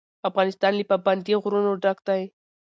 افغانستان له پابندی غرونه ډک دی.